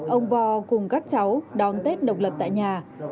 ông vò cùng các cháu đón tết độc lập tại nhà